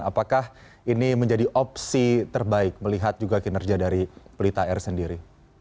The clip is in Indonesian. apakah ini menjadi opsi terbaik melihat juga kinerja dari pelita air sendiri